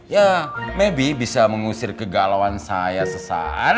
ya mevri bisa mengusir kegalauan saya sesaat